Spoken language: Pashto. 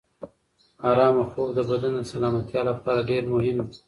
ارامه خوب د بدن د سلامتیا لپاره ډېر مهم دی.